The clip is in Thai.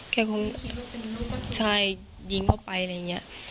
แค่คงใช่ยิงเข้าไปอะไรอย่างนี้